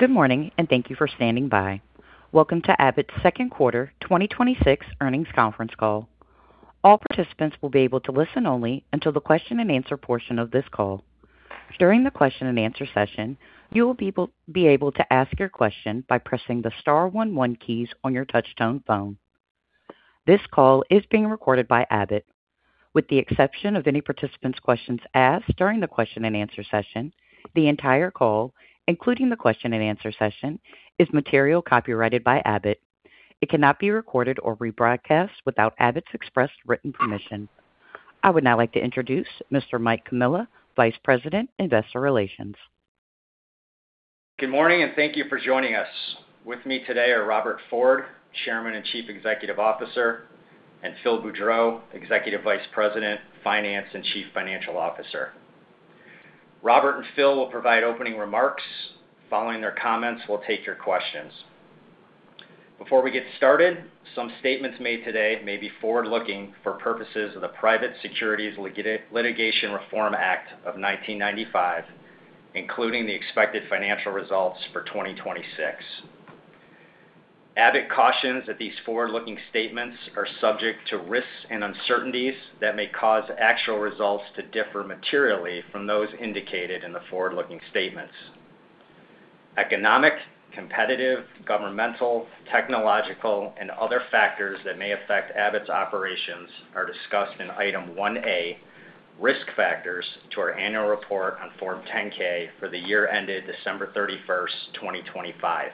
Good morning. Thank you for standing by. Welcome to Abbott's second quarter 2026 earnings conference call. All participants will be able to listen only until the question and answer portion of this call. During the question and answer session, you will be able to ask your question by pressing the star one keys on your touchtone phone. This call is being recorded by Abbott. With the exception of any participants' questions asked during the question and answer session, the entire call, including the question and answer session, is material copyrighted by Abbott. It cannot be recorded or rebroadcast without Abbott's express written permission. I would now like to introduce Mr. Mike Comilla, Vice President, Investor Relations. Good morning. Thank you for joining us. With me today are Robert Ford, Chairman and Chief Executive Officer, and Phil Boudreau, Executive Vice President, Finance, and Chief Financial Officer. Robert and Phil will provide opening remarks. Following their comments, we'll take your questions. Before we get started, some statements made today may be forward-looking for purposes of the Private Securities Litigation Reform Act of 1995, including the expected financial results for 2026. Abbott cautions that these forward-looking statements are subject to risks and uncertainties that may cause actual results to differ materially from those indicated in the forward-looking statements. Economic, competitive, governmental, technological, and other factors that may affect Abbott's operations are discussed in Item 1A, Risk Factors, to our annual report on Form 10-K for the year ended December 31st, 2025.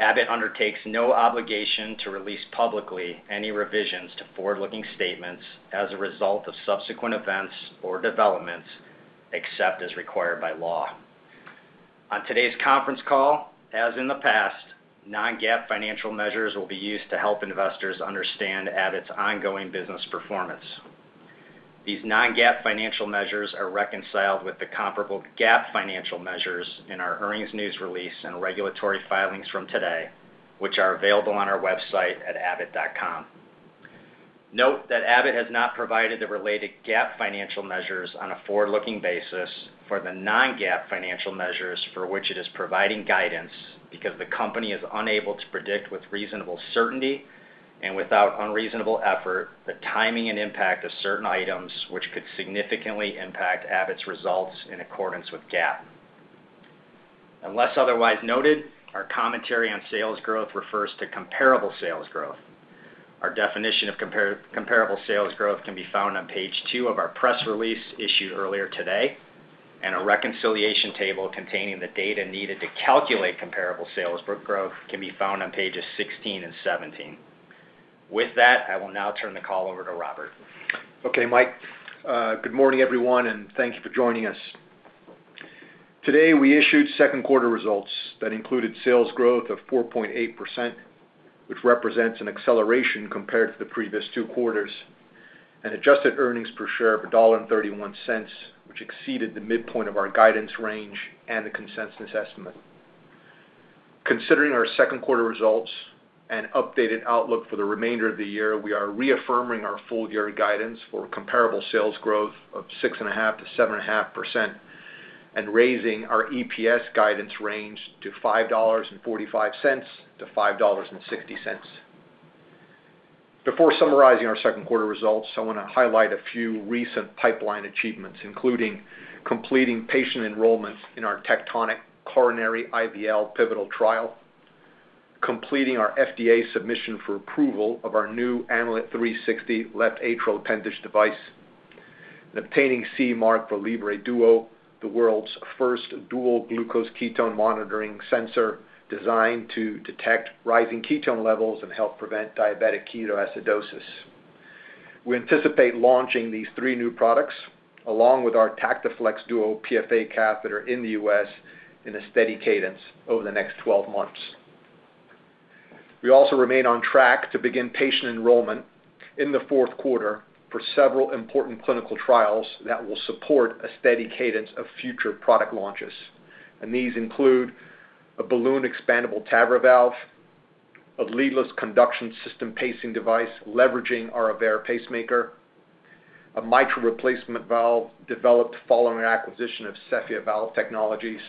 Abbott undertakes no obligation to release publicly any revisions to forward-looking statements as a result of subsequent events or developments, except as required by law. On today's conference call, as in the past, non-GAAP financial measures will be used to help investors understand Abbott's ongoing business performance. These non-GAAP financial measures are reconciled with the comparable GAAP financial measures in our earnings news release and regulatory filings from today, which are available on our website at abbott.com. Note that Abbott has not provided the related GAAP financial measures on a forward-looking basis for the non-GAAP financial measures for which it is providing guidance, because the company is unable to predict with reasonable certainty, and without unreasonable effort, the timing and impact of certain items which could significantly impact Abbott's results in accordance with GAAP. Unless otherwise noted, our commentary on sales growth refers to comparable sales growth. Our definition of comparable sales growth can be found on page two of our press release issued earlier today. A reconciliation table containing the data needed to calculate comparable sales growth can be found on pages 16 and 17. With that, I will now turn the call over to Robert. Okay, Mike. Good morning, everyone. Thank you for joining us. Today, we issued second quarter results that included sales growth of 4.8%, which represents an acceleration compared to the previous two quarters, and adjusted earnings per share of $1.31, which exceeded the midpoint of our guidance range and the consensus estimate. Considering our second quarter results and updated outlook for the remainder of the year, we are reaffirming our full year guidance for comparable sales growth of 6.5%-7.5% and raising our EPS guidance range to $5.45-$5.60. Before summarizing our second quarter results, I want to highlight a few recent pipeline achievements, including completing patient enrollments in our TECTONIC coronary IVL pivotal trial, completing our FDA submission for approval of our new Amulet 360 left atrial appendage device, and obtaining CE mark for Libre Duo. The world's first dual glucose-ketone monitoring sensor designed to detect rising ketone levels and help prevent diabetic ketoacidosis. We anticipate launching these three new products, along with our TactiFlex Duo PFA catheter in the U.S. in a steady cadence over the next 12 months. We also remain on track to begin patient enrollment in the fourth quarter for several important clinical trials that will support a steady cadence of future product launches. These include a balloon expandable TAVR valve, a leadless conduction system pacing device leveraging our AVEIR pacemaker, a mitral replacement valve developed following our acquisition of Cephea Valve Technologies,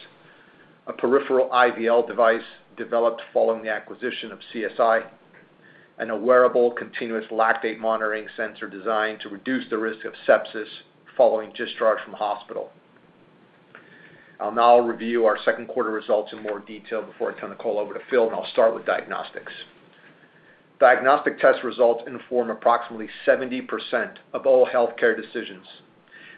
a peripheral IVL device developed following the acquisition of CSI, and a wearable continuous lactate monitoring sensor designed to reduce the risk of sepsis following discharge from hospital. I'll now review our second quarter results in more detail before I turn the call over to Phil. I'll start with diagnostics. Diagnostic test results inform approximately 70% of all healthcare decisions,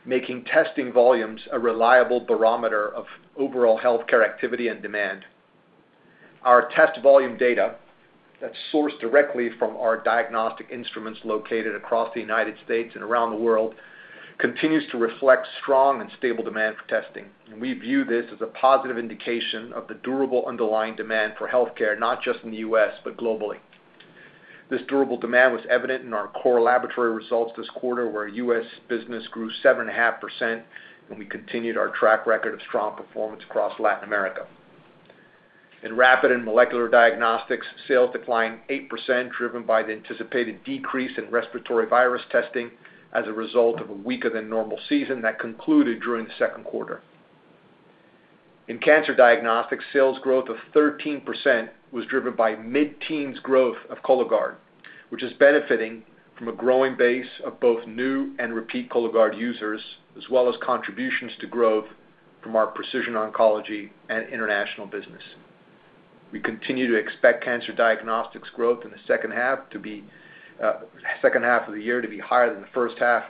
making testing volumes a reliable barometer of overall healthcare activity and demand. Our test volume data, that's sourced directly from our diagnostic instruments located across the United States and around the world, continues to reflect strong and stable demand for testing. We view this as a positive indication of the durable underlying demand for healthcare, not just in the U.S., but globally. This durable demand was evident in our core laboratory results this quarter, where U.S. business grew 7.5% and we continued our track record of strong performance across Latin America. In rapid and molecular diagnostics, sales declined 8%, driven by the anticipated decrease in respiratory virus testing as a result of a weaker than normal season that concluded during the second quarter. In cancer diagnostics, sales growth of 13% was driven by mid-teens growth of Cologuard, which is benefiting from a growing base of both new and repeat Cologuard users, as well as contributions to growth from our precision oncology and international business. We continue to expect cancer diagnostics growth in the second half of the year to be higher than the first half,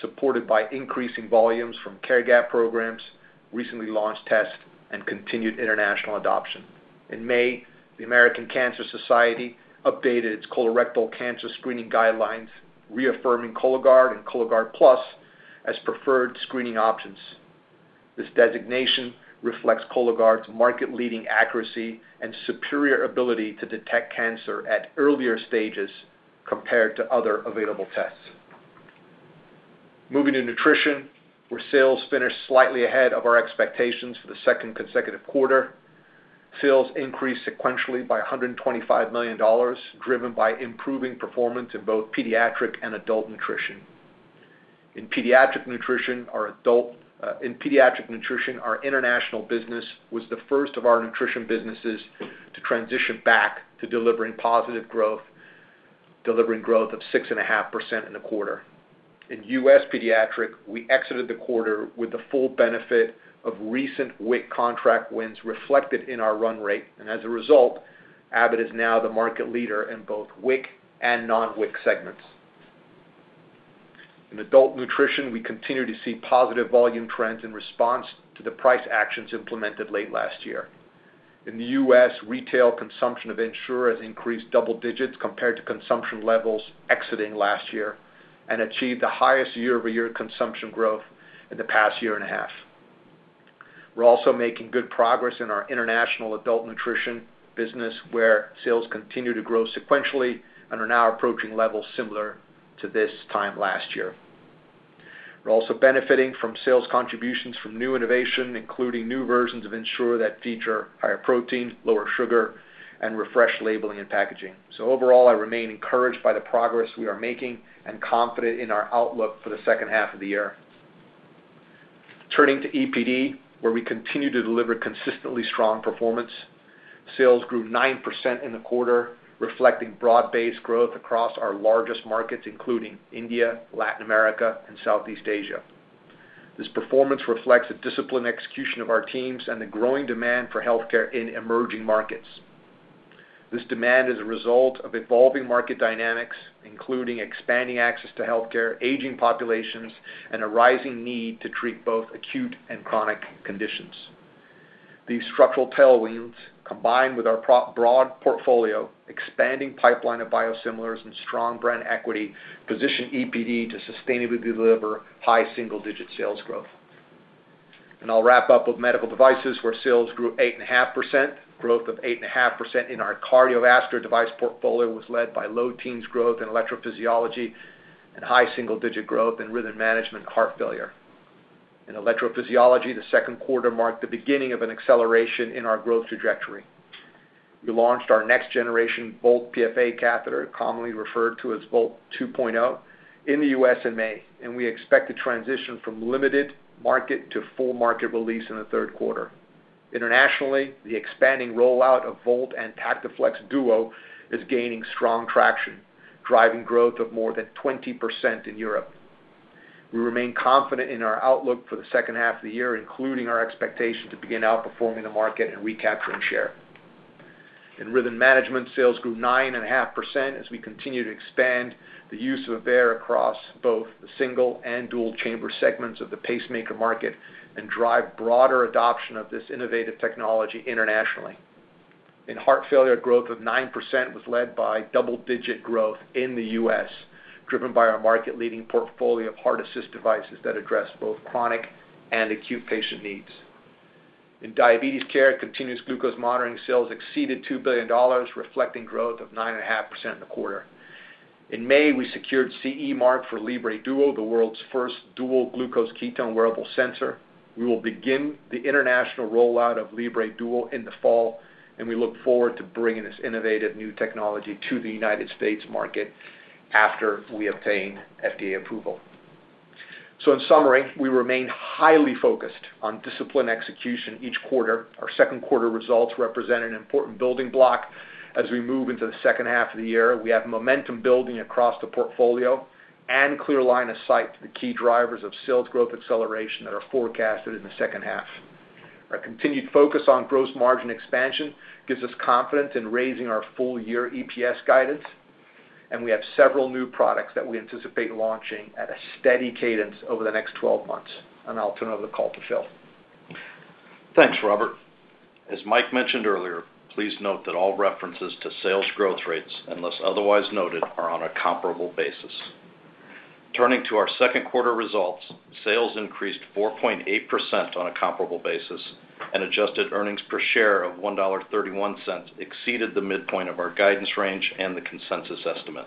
supported by increasing volumes from care gap programs, recently launched tests, and continued international adoption. In May, the American Cancer Society updated its colorectal cancer screening guidelines, reaffirming Cologuard and Cologuard Plus as preferred screening options. This designation reflects Cologuard's market-leading accuracy and superior ability to detect cancer at earlier stages compared to other available tests. Moving to nutrition, where sales finished slightly ahead of our expectations for the second consecutive quarter. Sales increased sequentially by $125 million, driven by improving performance in both pediatric and adult nutrition. In pediatric nutrition, our international business was the first of our nutrition businesses to transition back to delivering positive growth, delivering growth of 6.5% in the quarter. In U.S. pediatric, we exited the quarter with the full benefit of recent WIC contract wins reflected in our run rate, and as a result, Abbott is now the market leader in both WIC and non-WIC segments. In adult nutrition, we continue to see positive volume trends in response to the price actions implemented late last year. In the U.S., retail consumption of Ensure has increased double digits compared to consumption levels exiting last year, and achieved the highest year-over-year consumption growth in the past year and a half. We're also making good progress in our international adult nutrition business, where sales continue to grow sequentially and are now approaching levels similar to this time last year. We're also benefiting from sales contributions from new innovation, including new versions of Ensure that feature higher protein, lower sugar, and refreshed labeling and packaging. Overall, I remain encouraged by the progress we are making and confident in our outlook for the second half of the year. Turning to EPD, where we continue to deliver consistently strong performance. Sales grew 9% in the quarter, reflecting broad-based growth across our largest markets, including India, Latin America, and Southeast Asia. This performance reflects the disciplined execution of our teams and the growing demand for healthcare in emerging markets. This demand is a result of evolving market dynamics, including expanding access to healthcare, aging populations, and a rising need to treat both acute and chronic conditions. These structural tailwinds, combined with our broad portfolio, expanding pipeline of biosimilars, and strong brand equity, position EPD to sustainably deliver high single-digit sales growth. I'll wrap up with medical devices, where sales grew 8.5%. Growth of 8.5% in our cardiovascular device portfolio was led by low teens growth in electrophysiology and high single-digit growth in rhythm management heart failure. In electrophysiology, the second quarter marked the beginning of an acceleration in our growth trajectory. We launched our next-generation Volt PFA catheter, commonly referred to as Volt 2.0, in the U.S. in May, and we expect to transition from limited market to full market release in the third quarter. Internationally, the expanding rollout of Volt and TactiFlex Duo is gaining strong traction, driving growth of more than 20% in Europe. We remain confident in our outlook for the second half of the year, including our expectation to begin outperforming the market and recapturing share. In rhythm management, sales grew 9.5% as we continue to expand the use of AVEIR across both the single and dual chamber segments of the pacemaker market and drive broader adoption of this innovative technology internationally. In heart failure, growth of 9% was led by double-digit growth in the U.S., driven by our market-leading portfolio of heart assist devices that address both chronic and acute patient needs. In diabetes care, continuous glucose monitoring sales exceeded $2 billion, reflecting growth of 9.5% in the quarter. In May, we secured CE mark for Libre Duo, the world's first dual glucose-ketone wearable sensor. We will begin the international rollout of Libre Duo in the fall, and we look forward to bringing this innovative new technology to the United States market after we obtain FDA approval. In summary, we remain highly focused on disciplined execution each quarter. Our second quarter results represent an important building block as we move into the second half of the year. We have momentum building across the portfolio and clear line of sight to the key drivers of sales growth acceleration that are forecasted in the second half. Our continued focus on gross margin expansion gives us confidence in raising our full year EPS guidance, and we have several new products that we anticipate launching at a steady cadence over the next 12 months. I'll turn over the call to Phil. Thanks, Robert. As Mike mentioned earlier, please note that all references to sales growth rates, unless otherwise noted, are on a comparable basis. Turning to our second quarter results, sales increased 4.8% on a comparable basis, adjusted earnings per share of $1.31 exceeded the midpoint of our guidance range and the consensus estimate.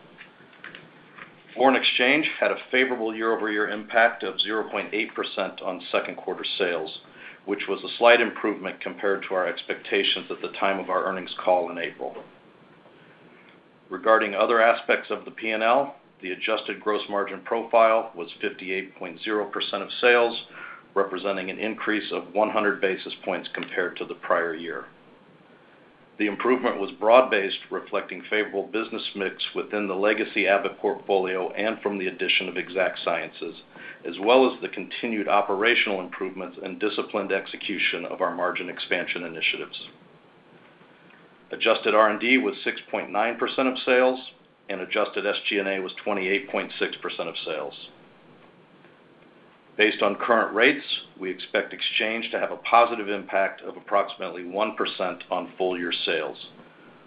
Foreign exchange had a favorable year-over-year impact of 0.8% on second quarter sales, which was a slight improvement compared to our expectations at the time of our earnings call in April. Regarding other aspects of the P&L, the adjusted gross margin profile was 58.0% of sales, representing an increase of 100 basis points compared to the prior year. The improvement was broad-based, reflecting favorable business mix within the legacy Abbott portfolio and from the addition of Exact Sciences. As well as the continued operational improvements and disciplined execution of our margin expansion initiatives. Adjusted R&D was 6.9% of sales and adjusted SG&A was 28.6% of sales. Based on current rates, we expect exchange to have a positive impact of approximately 1% on full year sales,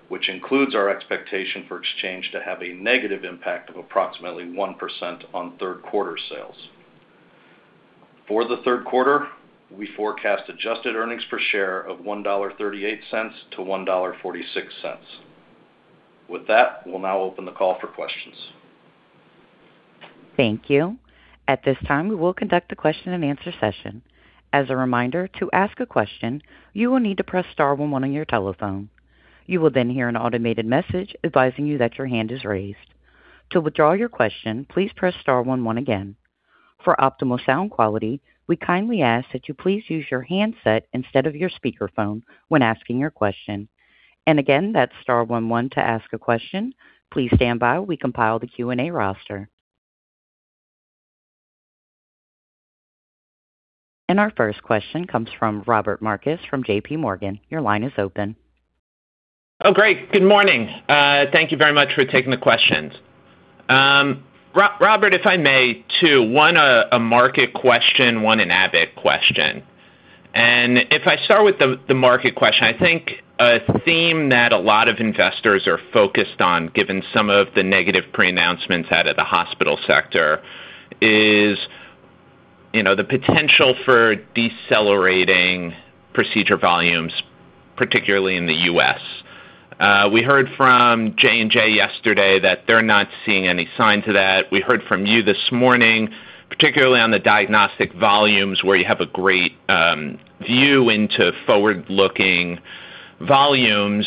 which includes our expectation for exchange to have a negative impact of approximately 1% on third quarter sales. For the third quarter, we forecast adjusted earnings per share of $1.38-$1.46. With that, we'll now open the call for questions. Thank you. At this time, we will conduct a question and answer session. As a reminder, to ask a question, you will need to press star one one on your telephone. You will then hear an automated message advising you that your hand is raised. To withdraw your question, please press star one one again. For optimal sound quality, we kindly ask that you please use your handset instead of your speakerphone when asking your question. Again, that's start one one to ask a question. Please stand by while we compile the Q&A roster. Our first question comes from Robbie Marcus from JPMorgan. Your line is open. Great. Good morning. Thank you very much for taking the questions. Robert, if I may, two. One, a market question, one an Abbott question. If I start with the market question, I think a theme that a lot of investors are focused on, given some of the negative pre-announcements out of the hospital sector is the potential for decelerating procedure volumes, particularly in the U.S. We heard from J&J yesterday that they're not seeing any sign to that. We heard from you this morning, particularly on the diagnostic volumes where you have a great view into forward-looking volumes.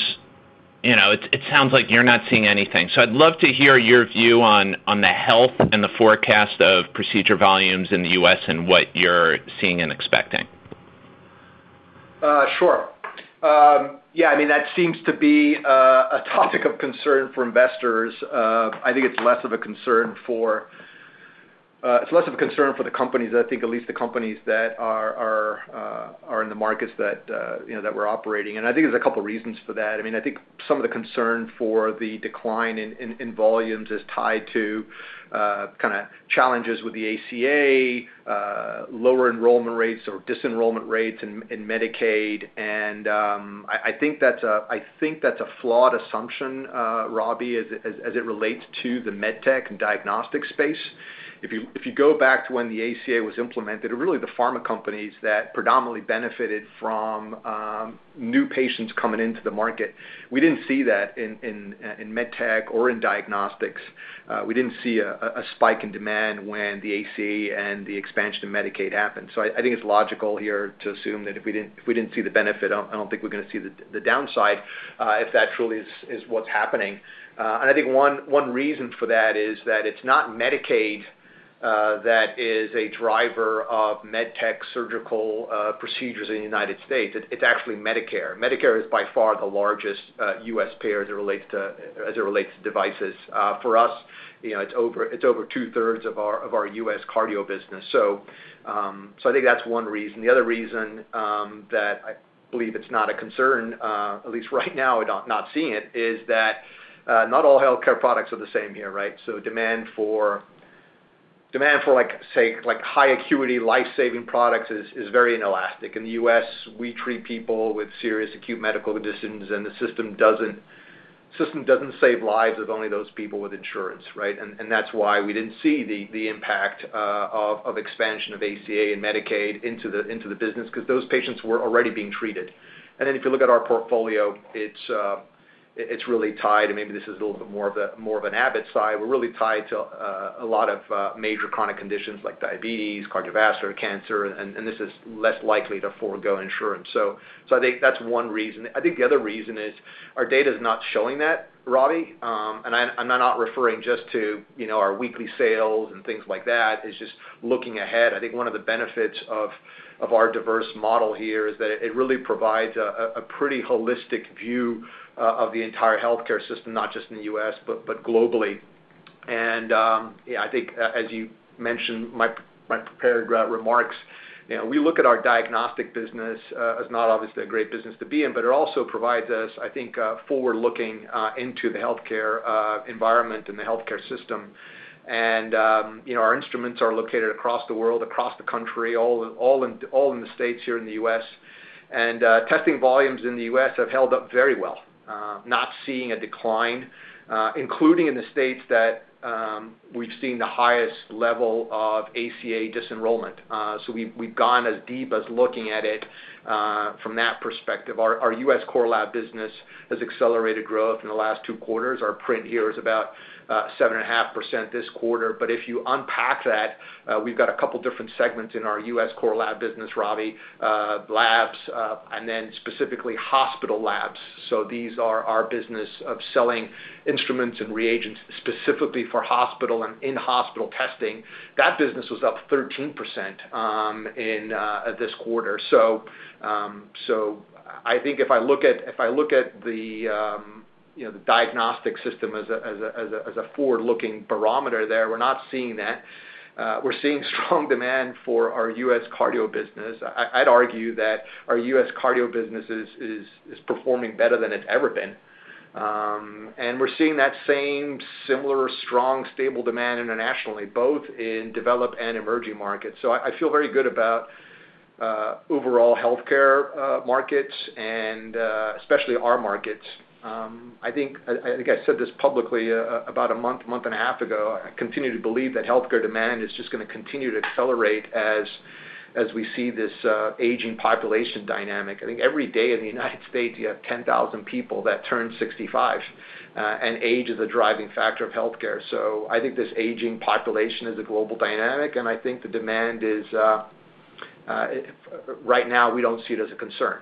It sounds like you're not seeing anything. I'd love to hear your view on the health and the forecast of procedure volumes in the U.S. and what you're seeing and expecting. Sure. Yeah, that seems to be a topic of concern for investors. I think it's less of a concern for the companies, I think at least the companies that are in the markets that we're operating in. I think there's a couple reasons for that. I think some of the concern for the decline in volumes is tied to kind of challenges with the ACA, lower enrollment rates or dis-enrollment rates in Medicaid. I think that's a flawed assumption, Robbie, as it relates to the med tech and diagnostic space. If you go back to when the ACA was implemented, really the pharma companies that predominantly benefited from new patients coming into the market, we didn't see that in med tech or in diagnostics. We didn't see a spike in demand when the ACA and the expansion of Medicaid happened. I think it's logical here to assume that if we didn't see the benefit, I don't think we're going to see the downside, if that truly is what's happening. I think one reason for that is that it's not Medicaid that is a driver of med tech surgical procedures in the U.S. It's actually Medicare. Medicare is by far the largest U.S. payer as it relates to devices. For us, it's over two-thirds of our U.S. cardio business. I think that's one reason. The other reason that I believe it's not a concern, at least right now we're not seeing it, is that not all healthcare products are the same here. Demand for high acuity life-saving products is very inelastic. In the U.S., we treat people with serious acute medical conditions, and the system doesn't save lives of only those people with insurance. That's why we didn't see the impact of expansion of ACA and Medicaid into the business, because those patients were already being treated. If you look at our portfolio, it's really tied, and maybe this is a little bit more of an Abbott side, we're really tied to a lot of major chronic conditions like diabetes, cardiovascular, cancer, and this is less likely to forego insurance. I think that's one reason. I think the other reason is our data is not showing that, Robbie. I'm not referring just to our weekly sales and things like that. It's just looking ahead. I think one of the benefits of our diverse model here is that it really provides a pretty holistic view of the entire healthcare system, not just in the U.S., but globally. Yeah, I think as you mentioned my prepared remarks, we look at our diagnostic business as not obviously a great business to be in, but it also provides us, I think, a forward-looking into the healthcare environment and the healthcare system. Our instruments are located across the world, across the country, all in the States here in the U.S. Testing volumes in the U.S. have held up very well. Not seeing a decline, including in the States that we've seen the highest level of ACA dis-enrollment. We've gone as deep as looking at it from that perspective. Our U.S. core lab business has accelerated growth in the last two quarters. Our print here is about 7.5% this quarter. If you unpack that, we've got a couple different segments in our U.S. Core Lab business, Robbie. Labs, and then specifically hospital labs. These are our business of selling instruments and reagents specifically for hospital and in-hospital testing. That business was up 13% in this quarter. I think if I look at the diagnostic system as a forward-looking barometer there, we're not seeing that. We're seeing strong demand for our U.S. cardio business. I'd argue that our U.S. cardio business is performing better than it's ever been. We're seeing that same similar strong, stable demand internationally, both in developed and emerging markets. I feel very good about overall healthcare markets and especially our markets. I think I said this publicly about a month and a half ago. I continue to believe that healthcare demand is just going to continue to accelerate as we see this aging population dynamic. I think every day in the United States, you have 10,000 people that turn 65, and age is a driving factor of healthcare. I think this aging population is a global dynamic, and I think the demand is, right now, we don't see it as a concern.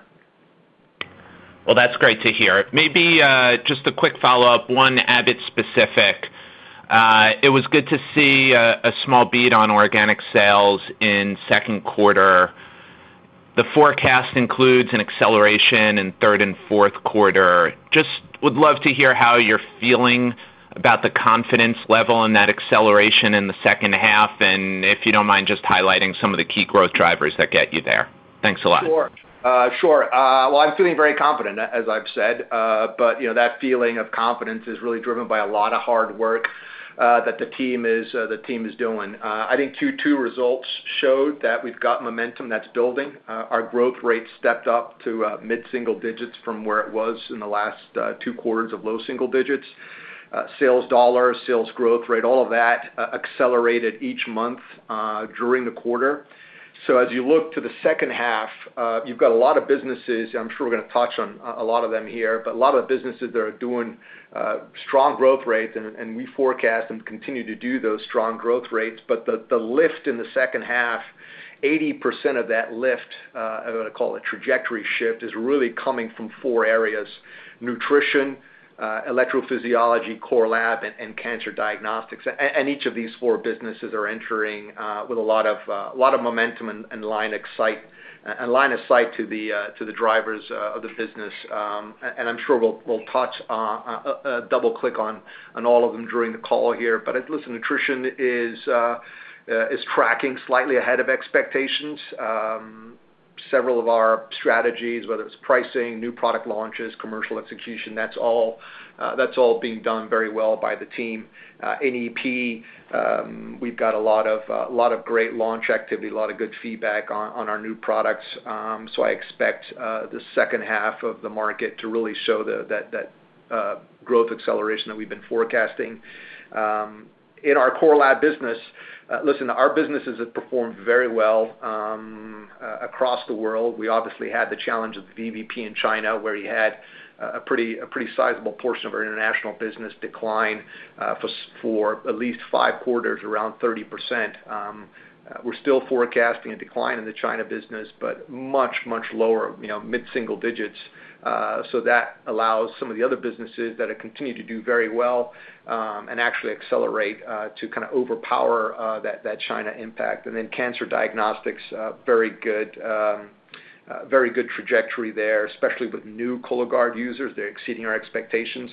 Well, that's great to hear. Maybe just a quick follow-up, one Abbott specific. It was good to see a small beat on organic sales in second quarter. The forecast includes an acceleration in third and fourth quarter. Would love to hear how you're feeling about the confidence level and that acceleration in the second half, and if you don't mind just highlighting some of the key growth drivers that get you there. Thanks a lot. Sure. Well, I'm feeling very confident, as I've said. That feeling of confidence is really driven by a lot of hard work that the team is doing. I think Q2 results showed that we've got momentum that's building. Our growth rate stepped up to mid-single digits from where it was in the last two quarters of low single digits. Sales dollar, sales growth rate, all of that accelerated each month during the quarter. As you look to the second half, you've got a lot of businesses, I'm sure we're going to touch on a lot of them here, but a lot of businesses that are doing strong growth rates, and we forecast and continue to do those strong growth rates. The lift in the second half, 80% of that lift, I'm going to call it trajectory shift, is really coming from four areas: nutrition, electrophysiology, core lab, and cancer diagnostics. Each of these four businesses are entering with a lot of momentum and line of sight to the drivers of the business. I'm sure we'll double click on all of them during the call here. Listen, nutrition is tracking slightly ahead of expectations. Several of our strategies, whether it's pricing, new product launches, commercial execution, that's all being done very well by the team. EP, we've got a lot of great launch activity, a lot of good feedback on our new products. I expect the second half of the market to really show that growth acceleration that we've been forecasting. In our core lab business, listen, our businesses have performed very well across the world. We obviously had the challenge of the VBP in China, where we had a pretty sizable portion of our international business decline for at least five quarters, around 30%. We're still forecasting a decline in the China business, but much, much lower, mid-single digits. That allows some of the other businesses that have continued to do very well, and actually accelerate to kind of overpower that China impact. Cancer diagnostics, very good trajectory there, especially with new Cologuard users. They're exceeding our expectations.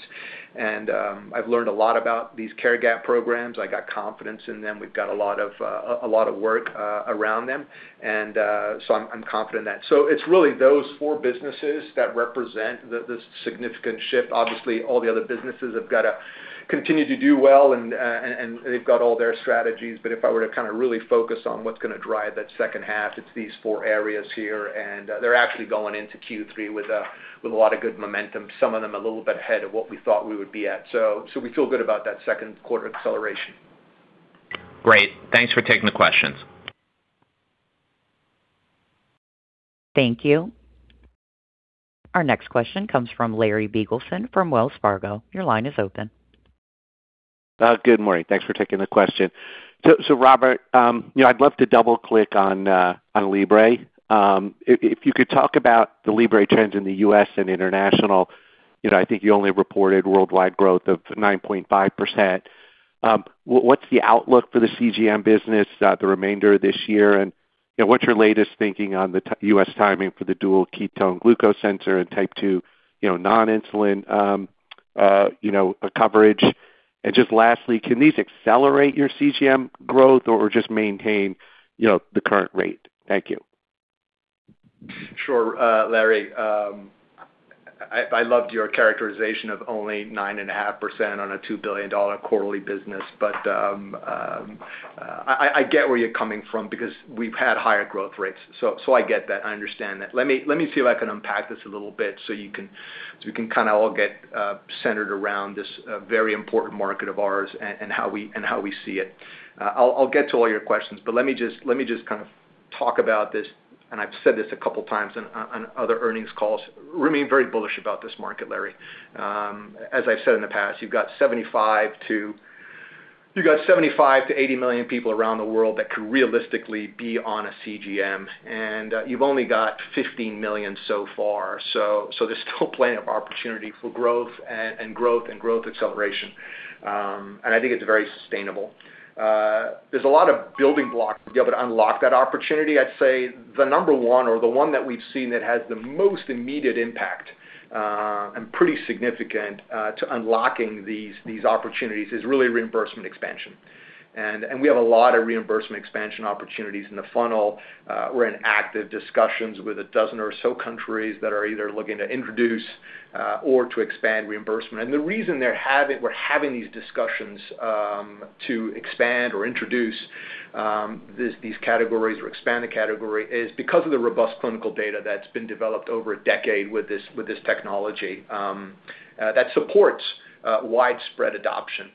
I've learned a lot about these care gap programs. I got confidence in them. We've got a lot of work around them, and I'm confident in that. It's really those four businesses that represent the significant shift. Obviously, all the other businesses have got to continue to do well, and they've got all their strategies. If I were to kind of really focus on what's going to drive that second half, it's these four areas here, and they're actually going into Q3 with a lot of good momentum, some of them a little bit ahead of what we thought we would be at. We feel good about that second quarter acceleration. Great. Thanks for taking the questions. Thank you. Our next question comes from Larry Biegelsen from Wells Fargo. Your line is open. Good morning. Thanks for taking the question. Robert, I'd love to double click on Libre. If you could talk about the Libre trends in the U.S. and international. I think you only reported worldwide growth of 9.5%. What's the outlook for the CGM business the remainder of this year, and what's your latest thinking on the U.S. timing for the dual ketone-glucose sensor and type 2 non-insulin coverage? Just lastly, can these accelerate your CGM growth or just maintain the current rate? Thank you. Sure, Larry. I loved your characterization of only 9.5% on a $2 billion quarterly business. I get where you're coming from because we've had higher growth rates. I get that. I understand that. Let me see if I can unpack this a little bit so we can kind of all get centered around this very important market of ours and how we see it. I'll get to all your questions, let me just kind of talk about this. I've said this a couple of times on other earnings calls, remain very bullish about this market, Larry. As I've said in the past, you've got 75 to 80 million people around the world that could realistically be on a CGM, you've only got 15 million so far. There's still plenty of opportunity for growth and growth acceleration. I think it's very sustainable. There's a lot of building blocks to be able to unlock that opportunity. I'd say the number one or the one that we've seen that has the most immediate impact, pretty significant, to unlocking these opportunities is really reimbursement expansion. We have a lot of reimbursement expansion opportunities in the funnel. We're in active discussions with a dozen or so countries that are either looking to introduce or to expand reimbursement. The reason we're having these discussions to expand or introduce these categories or expand the category is because of the robust clinical data that's been developed over a decade with this technology that supports widespread adoption.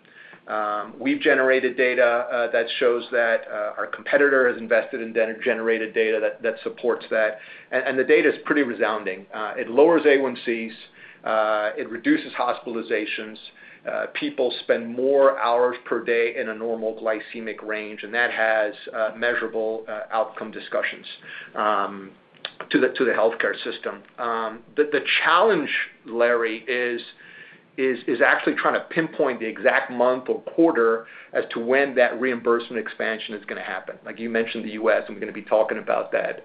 We've generated data that shows that our competitor has invested and generated data that supports that. The data is pretty resounding. It lowers A1Cs. It reduces hospitalizations. People spend more hours per day in a normal glycemic range, that has measurable outcome discussions to the healthcare system. The challenge, Larry, is actually trying to pinpoint the exact month or quarter as to when that reimbursement expansion is going to happen. Like you mentioned, the U.S., we're going to be talking about that.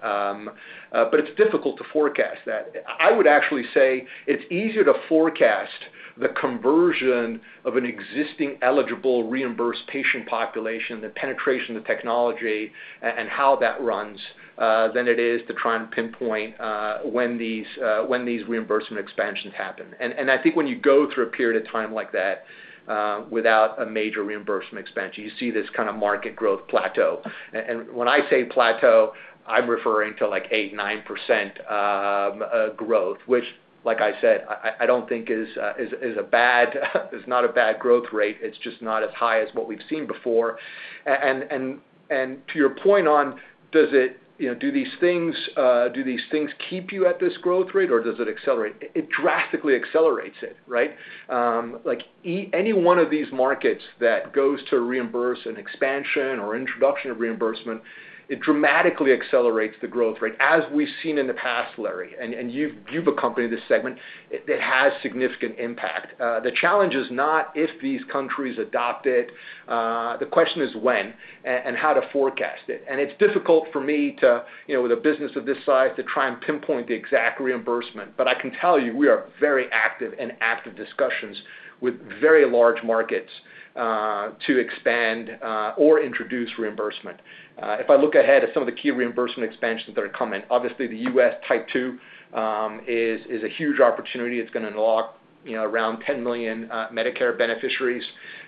It's difficult to forecast that. I would actually say it's easier to forecast the conversion of an existing eligible reimbursed patient population, the penetration of technology, and how that runs, than it is to try and pinpoint when these reimbursement expansions happen. I think when you go through a period of time like that without a major reimbursement expansion, you see this kind of market growth plateau. When I say plateau, I'm referring to like 8%, 9% growth, which like I said, I don't think is not a bad growth rate. It's just not as high as what we've seen before. To your point on do these things keep you at this growth rate or does it accelerate? It drastically accelerates it, right? Like any one of these markets that goes to reimburse an expansion or introduction of reimbursement, it dramatically accelerates the growth rate, as we've seen in the past, Larry. You've accompanied this segment. It has significant impact. The challenge is not if these countries adopt it. The question is when and how to forecast it. It's difficult for me to, with a business of this size, to try and pinpoint the exact reimbursement. I can tell you, we are very active in active discussions with very large markets to expand or introduce reimbursement. If I look ahead at some of the key reimbursement expansions that are coming, obviously the U.S. type 2 is a huge opportunity. It's going to unlock around 10 million Medicare beneficiaries.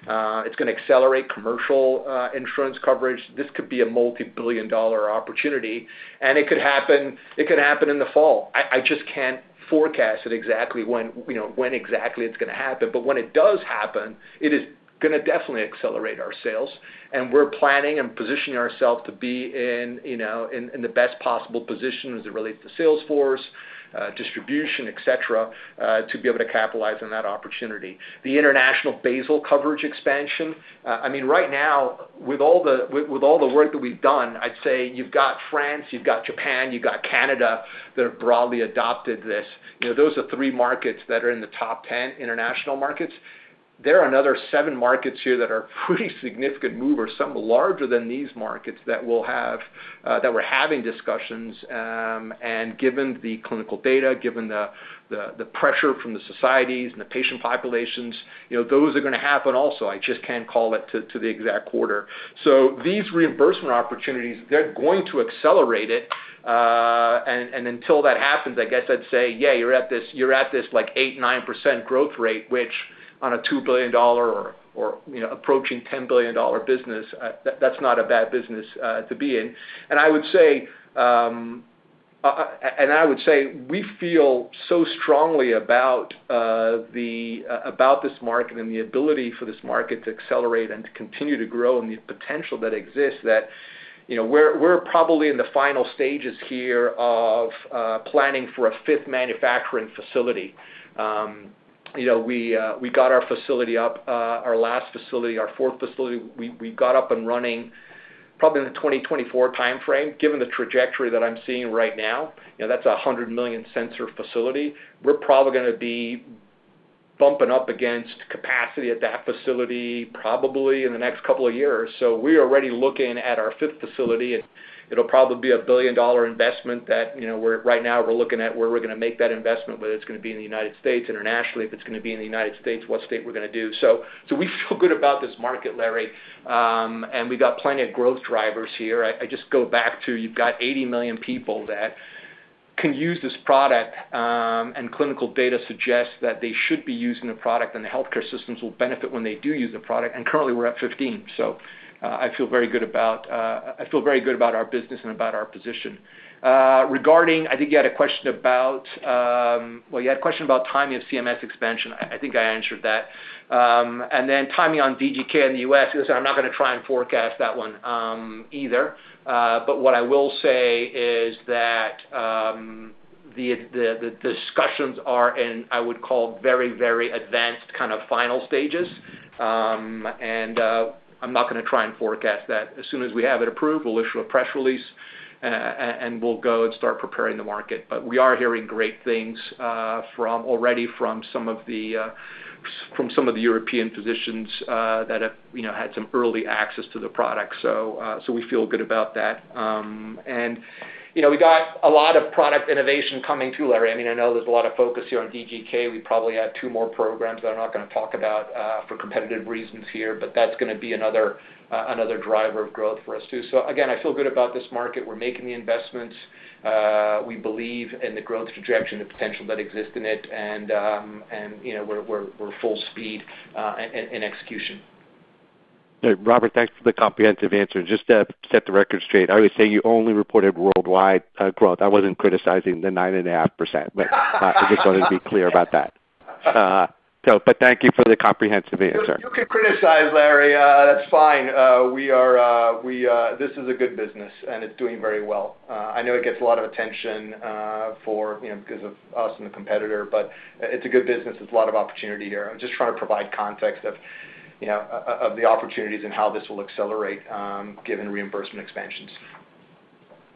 It's going to accelerate commercial insurance coverage. This could be a multi-billion dollar opportunity, and it could happen in the fall. I just can't forecast it exactly when it's going to happen. When it does happen, it is going to definitely accelerate our sales, and we're planning and positioning ourself to be in the best possible position as it relates to sales force, distribution, et cetera, to be able to capitalize on that opportunity. The international basal coverage expansion. Right now, with all the work that we've done, I'd say you've got France, you've got Japan, you've got Canada that have broadly adopted this. Those are three markets that are in the top 10 international markets. There are another seven markets here that are pretty significant movers, some larger than these markets, that we're having discussions. Given the clinical data, given the pressure from the societies and the patient populations, those are going to happen also. I just can't call it to the exact quarter. These reimbursement opportunities, they're going to accelerate it, and until that happens, I guess I'd say, yeah, you're at this like 8%, 9% growth rate, which on a $2 billion or approaching $10 billion business, that's not a bad business to be in. I would say, we feel so strongly about this market and the ability for this market to accelerate and to continue to grow and the potential that exists that we're probably in the final stages here of planning for a fifth manufacturing facility. We got our facility up, our last facility, our fourth facility, we got up and running probably in the 2024 timeframe, given the trajectory that I'm seeing right now. That's a 100 million sensor facility. We're probably going to be bumping up against capacity at that facility probably in the next couple of years. We're already looking at our fifth facility, and it'll probably be a billion-dollar investment that right now we're looking at where we're going to make that investment, whether it's going to be in the U.S., internationally. If it's going to be in the U.S., what state we're going to do. We feel good about this market, Larry. We got plenty of growth drivers here. I just go back to you've got 80 million people that can use this product, clinical data suggests that they should be using the product, healthcare systems will benefit when they do use the product. Currently we're at 15. I feel very good about our business and about our position. Regarding, you had a question about timing of CMS expansion. I think I answered that. Timing on DGK in the U.S. Listen, I'm not going to try and forecast that one either. What I will say is that the discussions are in, I would call very advanced final stages. I'm not going to try and forecast that. As soon as we have it approved, we'll issue a press release, we'll go and start preparing the market. We are hearing great things already from some of the European physicians that have had some early access to the product. We feel good about that. We got a lot of product innovation coming too, Larry. I know there's a lot of focus here on DGK. We probably have two more programs that I'm not going to talk about for competitive reasons here, that's going to be another driver of growth for us, too. Again, I feel good about this market. We're making the investments. We believe in the growth trajectory and the potential that exists in it, we're full speed in execution. Robert, thanks for the comprehensive answer. Just to set the record straight, I would say you only reported worldwide growth. I wasn't criticizing the 9.5%. I just wanted to be clear about that. Thank you for the comprehensive answer. You could criticize, Larry. That's fine. This is a good business, it's doing very well. I know it gets a lot of attention because of us and the competitor, it's a good business. There's a lot of opportunity here. I'm just trying to provide context of the opportunities and how this will accelerate given reimbursement expansions.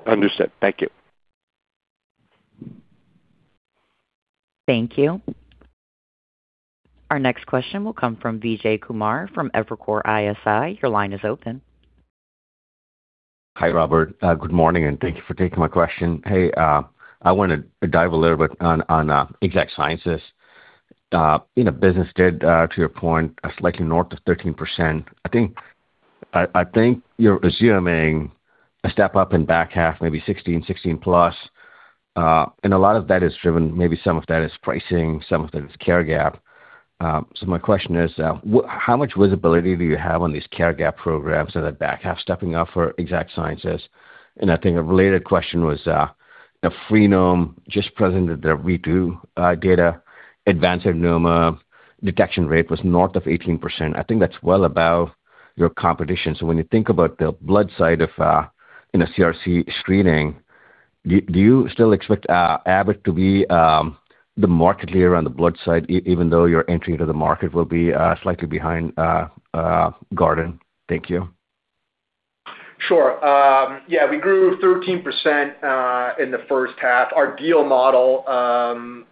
Understood. Thank you. Thank you. Our next question will come from Vijay Kumar from Evercore ISI. Your line is open. Hi, Robert. Good morning, and thank you for taking my question. Hey, I wanted to dive a little bit on Exact Sciences. Business did, to your point, slightly north of 13%. I think you're assuming a step up in the back half, maybe 16 plus. A lot of that is driven, maybe some of that is pricing, some of that is care gap. My question is, how much visibility do you have on these care gap programs in the back half stepping up for Exact Sciences? I think a related question was Freenome just presented their R2 data. Advanced adenoma detection rate was north of 18%. I think that's well above your competition. When you think about the blood side of CRC screening, do you still expect Abbott to be the market leader on the blood side, even though your entry into the market will be slightly behind Guardant? Thank you. Sure. Yeah, we grew 13% in the first half. Our deal model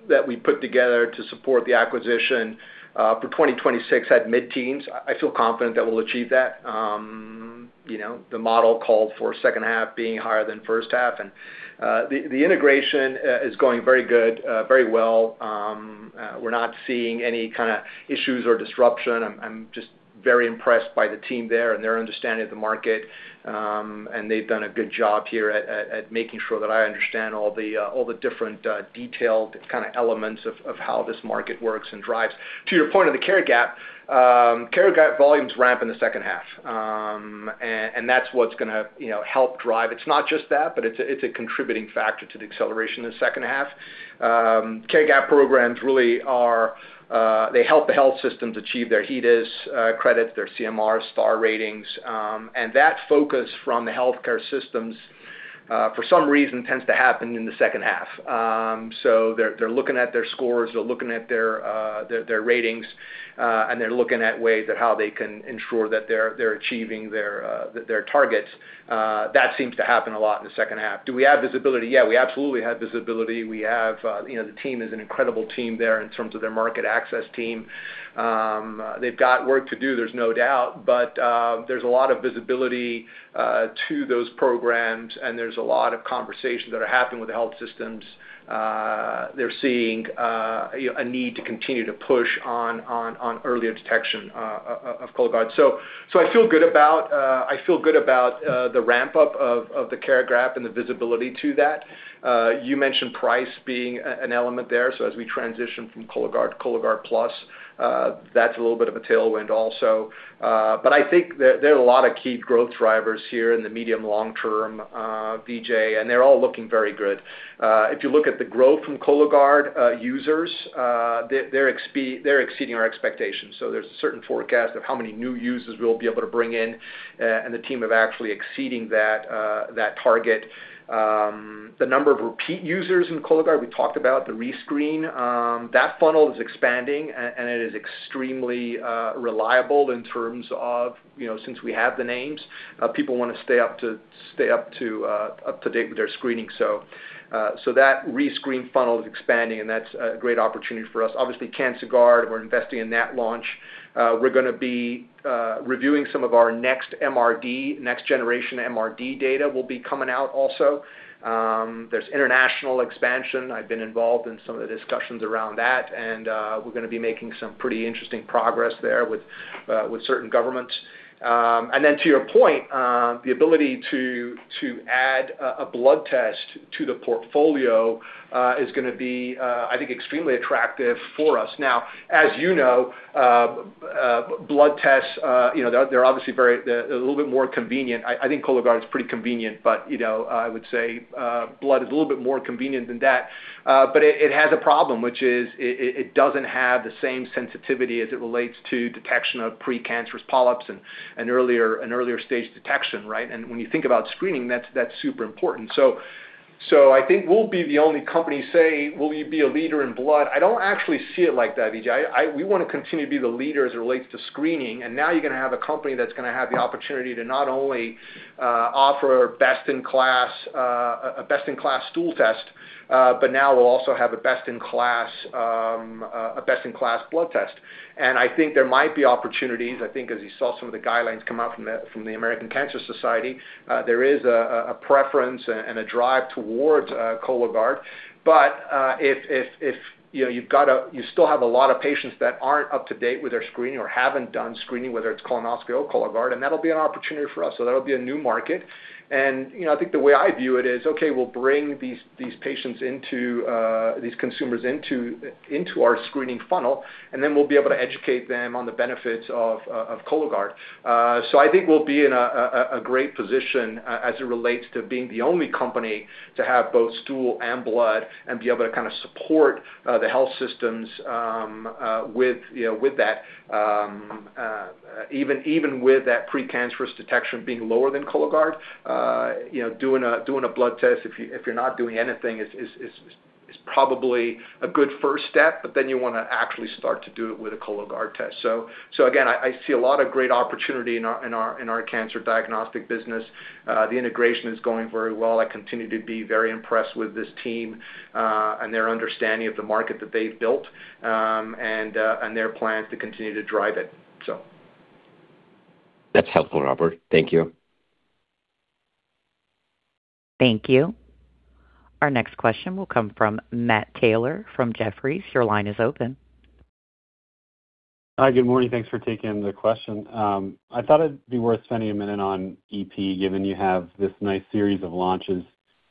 that we put together to support the acquisition for 2026 had mid-teens. I feel confident that we'll achieve that. The model called for second half being higher than first half, and the integration is going very well. We're not seeing any kind of issues or disruption. I'm just very impressed by the team there and their understanding of the market. They've done a good job here at making sure that I understand all the different detailed elements of how this market works and drives. To your point of the care gap, care gap volumes ramp in the second half. That's what's going to help drive. It's not just that, but it's a contributing factor to the acceleration in the second half. Care gap programs really help the health systems achieve their HEDIS credits, their CMS Star ratings. That focus from the healthcare systems, for some reason, tends to happen in the second half. They're looking at their scores, they're looking at their ratings, and they're looking at ways at how they can ensure that they're achieving their targets. That seems to happen a lot in the second half. Do we have visibility? Yeah, we absolutely have visibility. The team is an incredible team there in terms of their market access team. They've got work to do, there's no doubt, but there's a lot of visibility to those programs, and there's a lot of conversations that are happening with the health systems. They're seeing a need to continue to push on earlier detection of Cologuard. I feel good about the ramp-up of the care gap and the visibility to that. You mentioned price being an element there. As we transition from Cologuard to Cologuard Plus, that's a little bit of a tailwind also. I think there are a lot of key growth drivers here in the medium long term, Vijay, and they're all looking very good. If you look at the growth from Cologuard users, they're exceeding our expectations. There's a certain forecast of how many new users we'll be able to bring in, and the team is actually exceeding that target. The number of repeat users in Cologuard, we talked about the rescreen. That funnel is expanding, and it is extremely reliable in terms of since we have the names, people want to stay up to date with their screening. That rescreen funnel is expanding, and that's a great opportunity for us. Obviously, Cancerguard, we're investing in that launch. We're going to be reviewing some of our next generation MRD data will be coming out also. There's international expansion. I've been involved in some of the discussions around that, and we're going to be making some pretty interesting progress there with certain governments. Then to your point, the ability to add a blood test to the portfolio is going to be, I think, extremely attractive for us. As you know, blood tests are obviously a little bit more convenient. I think Cologuard is pretty convenient, but I would say blood is a little bit more convenient than that. It has a problem, which is it doesn't have the same sensitivity as it relates to detection of precancerous polyps and earlier stage detection, right? When you think about screening, that's super important. So I think we'll be the only company-- Say, will you be a leader in blood? I don't actually see it like that, Vijay. We want to continue to be the leader as it relates to screening, and now you're going to have a company that's going to have the opportunity to not only offer a best-in-class stool test, but now we'll also have a best-in-class blood test. I think there might be opportunities, I think as you saw some of the guidelines come out from the American Cancer Society, there is a preference and a drive towards Cologuard. If you still have a lot of patients that aren't up to date with their screening or haven't done screening, whether it's colonoscopy or Cologuard, that'll be an opportunity for us. That'll be a new market. I think the way I view it is, okay, we'll bring these patients, these consumers, into our screening funnel, and then we'll be able to educate them on the benefits of Cologuard. I think we'll be in a great position as it relates to being the only company to have both stool and blood and be able to support the health systems with that. Even with that precancerous detection being lower than Cologuard, doing a blood test, if you're not doing anything, is probably a good first step, but then you want to actually start to do it with a Cologuard test. Again, I see a lot of great opportunity in our cancer diagnostic business. The integration is going very well. I continue to be very impressed with this team and their understanding of the market that they've built and their plans to continue to drive it. That's helpful, Robert. Thank you. Thank you. Our next question will come from Matt Taylor from Jefferies. Your line is open. Hi, good morning. Thanks for taking the question. I thought it'd be worth spending a minute on EP, given you have this nice series of launches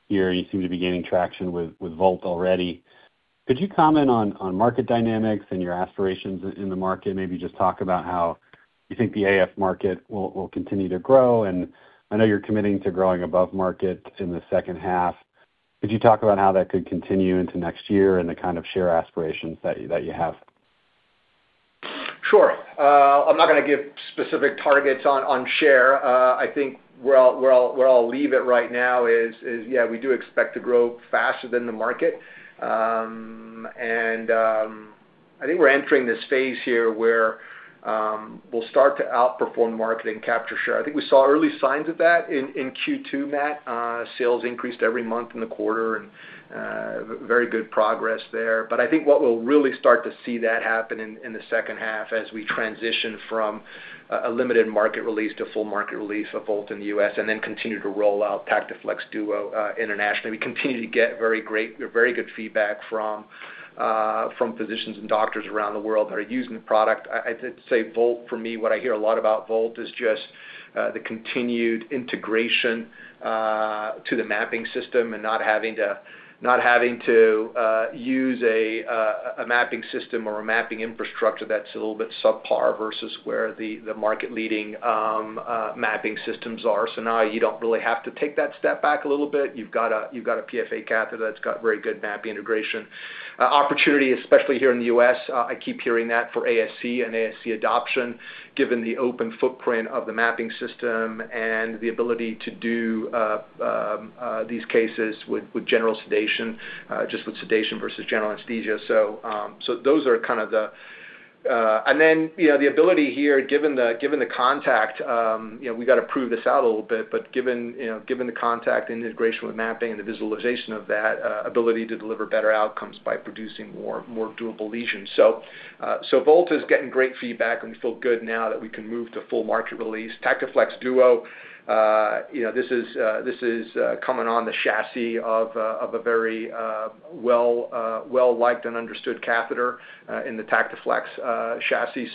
here. You seem to be gaining traction with Volt already. Could you comment on market dynamics and your aspirations in the market? Maybe just talk about how you think the AF market will continue to grow. I know you're committing to growing above market in the second half. Could you talk about how that could continue into next year and the kind of share aspirations that you have? Sure. I'm not going to give specific targets on share. I think where I'll leave it right now is, yeah, we do expect to grow faster than the market. I think we're entering this phase here where we'll start to outperform market and capture share. I think we saw early signs of that in Q2, Matt. Sales increased every month in the quarter and very good progress there. I think what we'll really start to see that happen in the second half as we transition from a limited market release to full market release of Volt in the U.S. and then continue to roll out TactiFlex Duo internationally. We continue to get very good feedback from physicians and doctors around the world that are using the product. I'd say Volt, for me, what I hear a lot about Volt is just the continued integration to the mapping system and not having to use a mapping system or a mapping infrastructure that's a little bit subpar versus where the market-leading mapping systems are. Now you don't really have to take that step back a little bit. You've got a PFA catheter that's got very good mapping integration. Opportunity, especially here in the U.S., I keep hearing that for ASC and ASC adoption, given the open footprint of the mapping system and the ability to do these cases with general sedation, just with sedation versus general anesthesia. The ability here, given the contact, we got to prove this out a little bit, but given the contact integration with mapping and the visualization of that ability to deliver better outcomes by producing more doable lesions. Volt is getting great feedback, and we feel good now that we can move to full market release. TactiFlex Duo, this is coming on the chassis of a very well-liked and understood catheter in the TactiFlex chassis.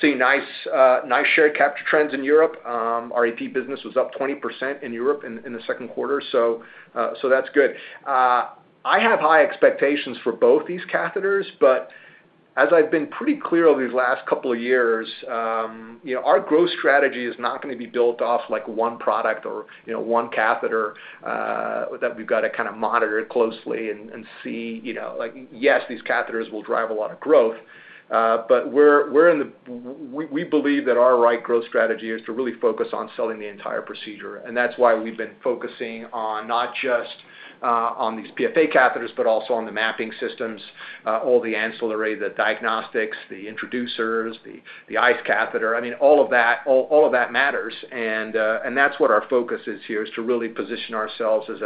Seeing nice share capture trends in Europe. Our EP business was up 20% in Europe in the second quarter, that's good. I have high expectations for both these catheters, as I've been pretty clear over these last couple of years, our growth strategy is not going to be built off one product or one catheter that we've got to kind of monitor closely and see. Yes, these catheters will drive a lot of growth, but we believe that our right growth strategy is to really focus on selling the entire procedure. That's why we've been focusing on not just on these PFA catheters, but also on the mapping systems, all the ancillary, the diagnostics, the introducers, the ICE catheter. I mean, all of that matters, and that's what our focus is here is to really position ourselves as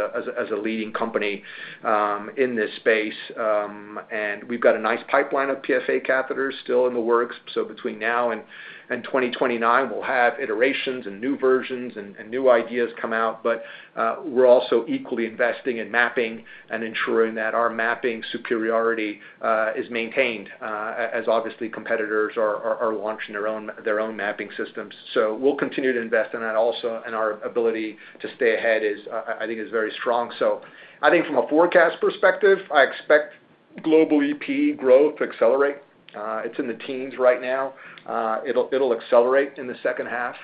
a leading company in this space. We've got a nice pipeline of PFA catheters still in the works. Between now and 2029, we'll have iterations and new versions and new ideas come out. We're also equally investing in mapping and ensuring that our mapping superiority is maintained as obviously competitors are launching their own mapping systems. We'll continue to invest in that also, and our ability to stay ahead I think is very strong. I think from a forecast perspective, I expect global EP growth to accelerate. It's in the teens right now. It'll accelerate in the second half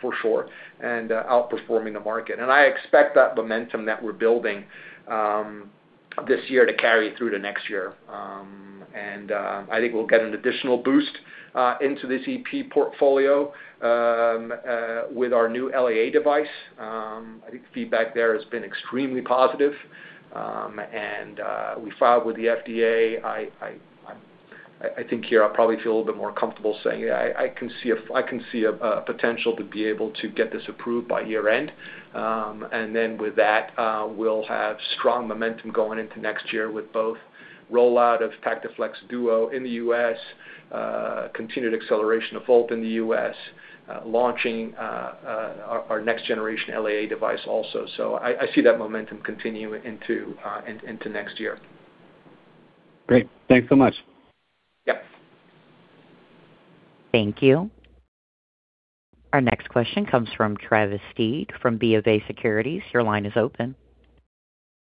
for sure and outperforming the market. I expect that momentum that we're building this year to carry through to next year. I think we'll get an additional boost into this EP portfolio with our new LAA device. I think the feedback there has been extremely positive. We filed with the FDA. I think here I'll probably feel a bit more comfortable saying, I can see a potential to be able to get this approved by year-end. With that, we'll have strong momentum going into next year with both rollout of TactiFlex Duo in the U.S. Continued acceleration of Volt in the U.S., launching our next generation LAA device also. I see that momentum continuing into next year. Great. Thanks so much. Yep. Thank you. Our next question comes from Travis Steed from BofA Securities. Your line is open.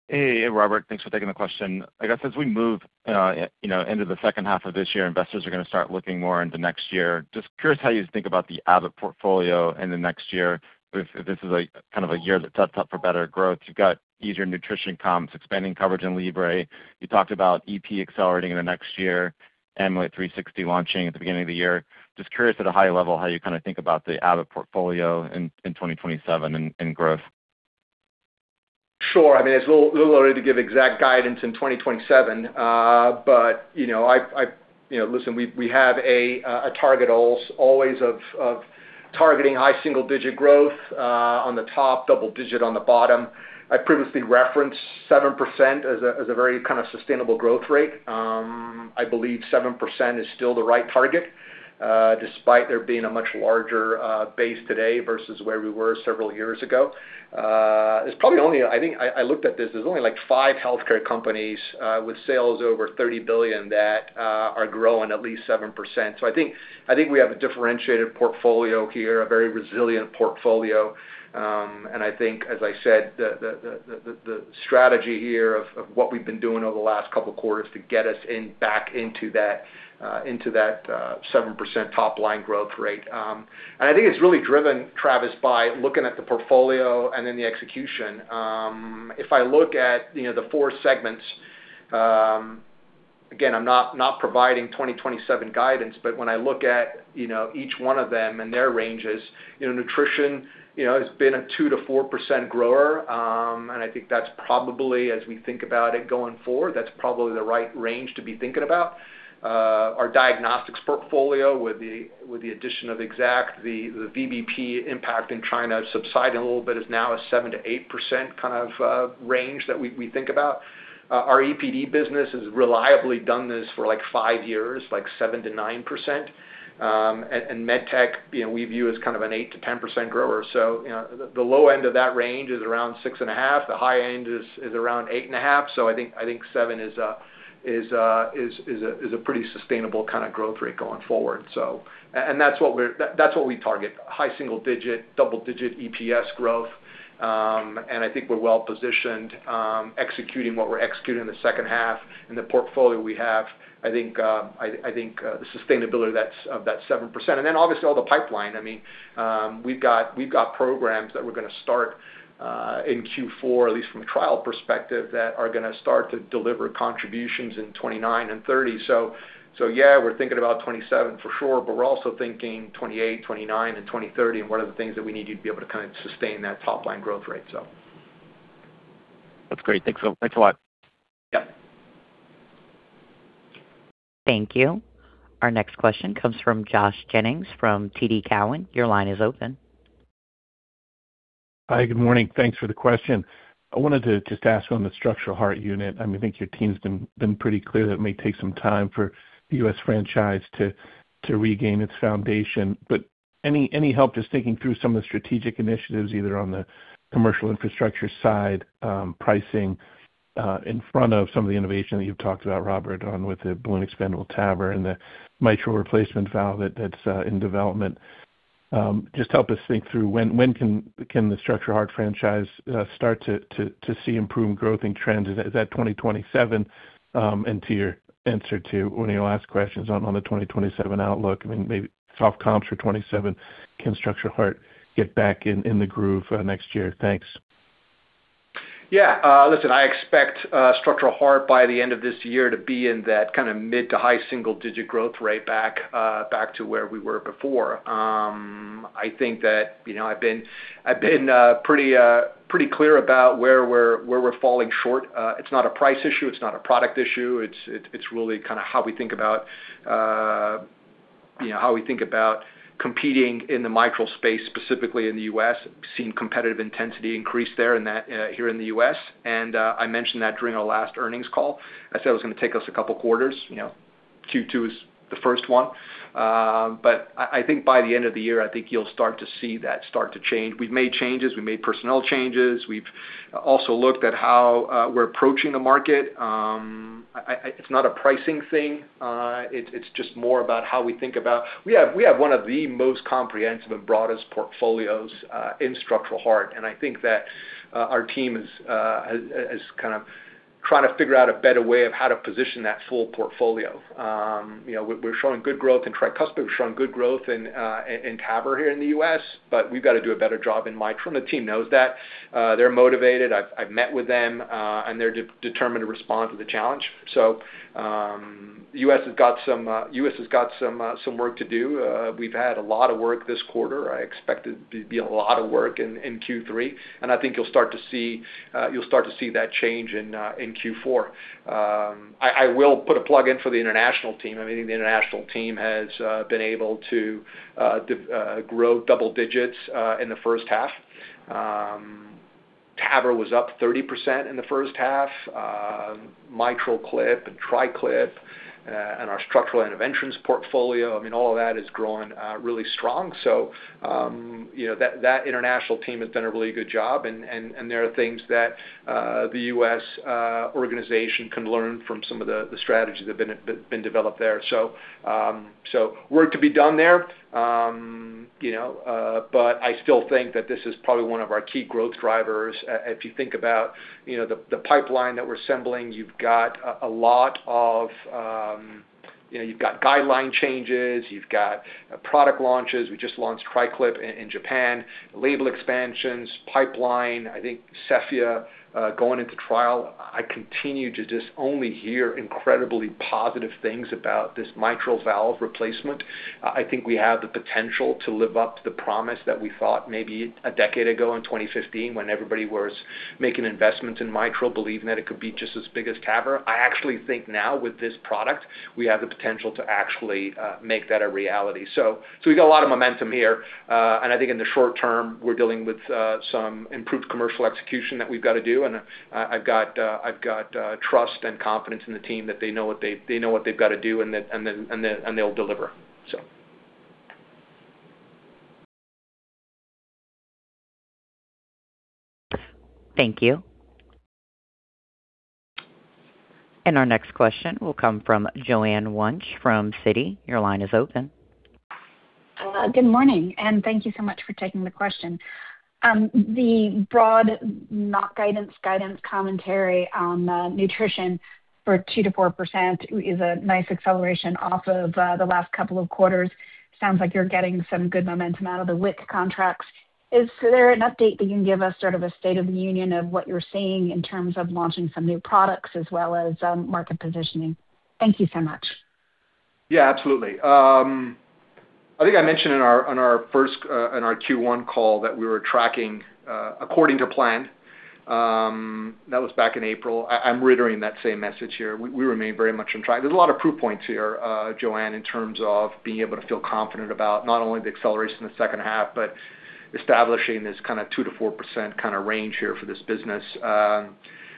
Hey, Robert. Thanks for taking the question. I guess as we move into the second half of this year, investors are going to start looking more into next year. Curious how you think about the Abbott portfolio in the next year. If this is a kind of a year that sets up for better growth. You've got easier nutrition comps, expanding coverage in Libre. You talked about EP accelerating in the next year, Amulet 360 launching at the beginning of the year. Curious at a high level how you kind of think about the Abbott portfolio in 2027 in growth. Sure. It's a little early to give exact guidance in 2027. Listen, we have a target always of targeting high single digit growth on the top, double digit on the bottom. I previously referenced 7% as a very kind of sustainable growth rate. I believe 7% is still the right target, despite there being a much larger base today versus where we were several years ago. I looked at this, there's only like five healthcare companies with sales over $30 billion that are growing at least 7%. I think we have a differentiated portfolio here, a very resilient portfolio. I think, as I said, the strategy here of what we've been doing over the last couple quarters to get us back into that 7% top line growth rate. I think it's really driven, Travis, by looking at the portfolio and then the execution. If I look at the four segments, again, I'm not providing 2027 guidance, but when I look at each one of them and their ranges, nutrition has been a 2%-4% grower, and I think that's probably, as we think about it going forward, that's probably the right range to be thinking about. Our diagnostics portfolio with the addition of Exact Sciences, the VBP impact in China subsiding a little bit is now a 7%-8% kind of range that we think about. Our EPD business has reliably done this for like five years, like 7%-9%. MedTech, we view as kind of an 8%-10% grower. The low end of that range is around 6.5%, the high end is around 8.5%. I think 7% is a pretty sustainable kind of growth rate going forward. That's what we target, high single digit, double digit EPS growth. I think we're well positioned, executing what we're executing in the second half and the portfolio we have, I think the sustainability of that 7%. Obviously all the pipeline, we've got programs that we're going to start in Q4, at least from a trial perspective, that are going to start to deliver contributions in 2029 and 2030. Yeah, we're thinking about 2027 for sure, but we're also thinking 2028, 2029 and 2030, and what are the things that we need to be able to kind of sustain that top line growth rate. That's great. Thanks a lot. Yep. Thank you. Our next question comes from Josh Jennings from TD Cowen. Your line is open. Hi. Good morning. Thanks for the question. I wanted to just ask on the structural heart unit. I think your team's been pretty clear that it may take some time for the U.S. franchise to regain its foundation. Any help just thinking through some of the strategic initiatives, either on the commercial infrastructure side, pricing in front of some of the innovation that you've talked about, Robert, on with the balloon expandable TAVR and the mitral replacement valve that's in development. Just help us think through when can the structural heart franchise start to see improved growth and trends? Is that 2027? To your answer to one of your last questions on the 2027 outlook, maybe soft comps for 2027, can structural heart get back in the groove next year? Thanks. Yeah. Listen, I expect structural heart by the end of this year to be in that kind of mid to high single-digit growth rate back to where we were before. I've been pretty clear about where we're falling short. It's not a price issue, it's not a product issue. It's really kind of how we think about competing in the mitral space, specifically in the U.S. We've seen competitive intensity increase there here in the U.S. I mentioned that during our last earnings call. I said it was going to take us a couple quarters. Q2 is the first one. I think by the end of the year, I think you'll start to see that start to change. We've made changes, personnel changes. We've also looked at how we're approaching the market. It's not a pricing thing. It's just more about how we have one of the most comprehensive and broadest portfolios in structural heart, and I think that our team has trying to figure out a better way of how to position that full portfolio. We're showing good growth in Tricuspid, we're showing good growth in TAVR here in the U.S. We've got to do a better job in mitral. The team knows that. They're motivated. I've met with them. They're determined to respond to the challenge. U.S. has got some work to do. We've had a lot of work this quarter. I expect there'd be a lot of work in Q3. I think you'll start to see that change in Q4. I will put a plug in for the international team. I think the international team has been able to grow double-digits in the first half. TAVR was up 30% in the first half. MitraClip and TriClip, our structural interventions portfolio, all of that is growing really strong. That international team has done a really good job. There are things that the U.S. organization can learn from some of the strategies that have been developed there. Work to be done there. I still think that this is probably one of our key growth drivers. If you think about the pipeline that we're assembling, you've got guideline changes, you've got product launches. We just launched TriClip in Japan. Label expansions, pipeline, I think Cephea going into trial. I continue to just only hear incredibly positive things about this mitral valve replacement. I think we have the potential to live up to the promise that we thought maybe a decade ago in 2015, when everybody was making investments in MitraClip, believing that it could be just as big as TAVR. I actually think now with this product, we have the potential to actually make that a reality. We've got a lot of momentum here. I think in the short term, we're dealing with some improved commercial execution that we've got to do, and I've got trust and confidence in the team that they know what they've got to do, and they'll deliver. Thank you. Our next question will come from Joanne Wuensch from Citi. Your line is open. Good morning, thank you so much for taking the question. The broad, not guidance, commentary on nutrition for 2%-4% is a nice acceleration off of the last couple of quarters. Sounds like you're getting some good momentum out of the WIC contracts. Is there an update that you can give us, sort of a state of the union of what you're seeing in terms of launching some new products as well as market positioning? Thank you so much. Yeah, absolutely. I think I mentioned on our Q1 call that we were tracking according to plan. That was back in April. I'm reiterating that same message here. We remain very much on track. There's a lot of proof points here, Joanne, in terms of being able to feel confident about not only the acceleration in the second half, but establishing this kind of 2%-4% range here for this business.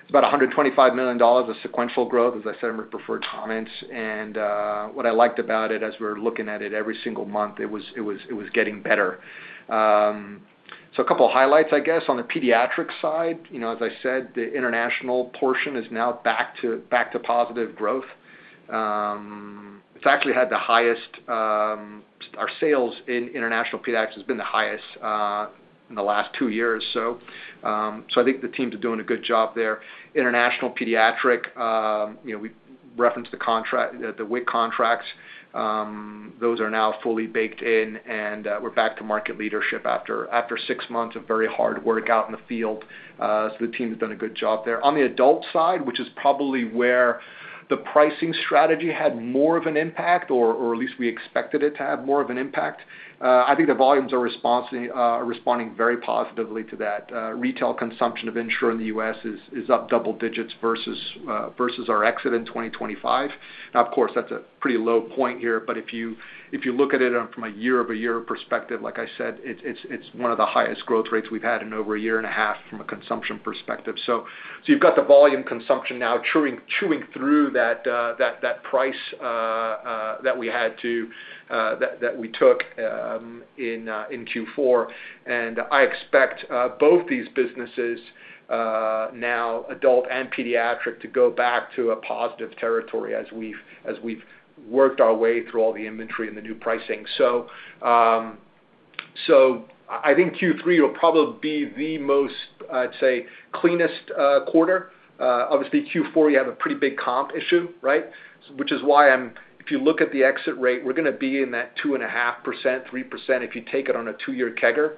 It's about $125 million of sequential growth, as I said in my preferred comments. What I liked about it as we were looking at it every single month, it was getting better. A couple of highlights, I guess, on the pediatric side. As I said, the international portion is now back to positive growth. Our sales in international pediatrics has been the highest in the last two years. I think the teams are doing a good job there. International pediatric, we referenced the WIC contracts. Those are now fully baked in, and we are back to market leadership after six months of very hard work out in the field. The team has done a good job there. On the adult side, which is probably where the pricing strategy had more of an impact, or at least we expected it to have more of an impact, I think the volumes are responding very positively to that. Retail consumption of Ensure in the U.S. is up double digits versus our exit in 2025. Now, of course, that's a pretty low point here, but if you look at it from a year-over-year perspective, like I said, it's one of the highest growth rates we've had in over a year and a half from a consumption perspective. You've got the volume consumption now chewing through that price that we took in Q4. I expect both these businesses now, adult and pediatric, to go back to a positive territory as we've worked our way through all the inventory and the new pricing. I think Q3 will probably be the most, I'd say, cleanest quarter. Obviously, Q4, you have a pretty big comp issue, right? Which is why if you look at the exit rate, we're going to be in that 2.5%-3% if you take it on a two-year CAGR.